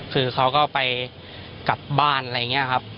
คือเขาก็ไปกลับบ้านอะไรอย่างนี้ครับ